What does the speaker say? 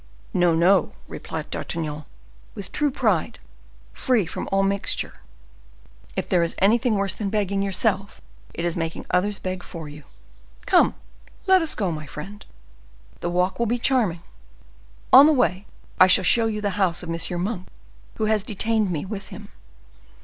"No, no!" replied D'Artagnan, with true pride, free from all mixture; "if there is anything worse than begging yourself, it is making others beg for you. Come, let us go, my friend, the walk will be charming; on the way I shall show you the house of M. Monk, who has detained me with him.